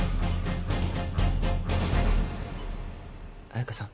彩佳さん？